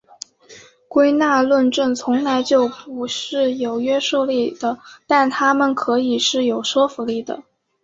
归纳论证从来就不是有约束力的但它们可以是有说服力的。